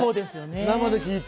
生で聞いて。